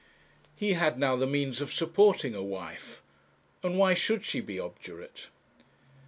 He had now the means of supporting a wife, and why should she be obdurate?